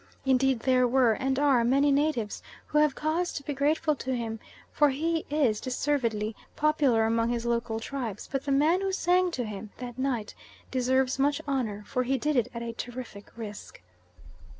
Indeed there were, and are, many natives who have cause to be grateful to him, for he is deservedly popular among his local tribes, but the man who sang to him that night deserves much honour, for he did it at a terrific risk.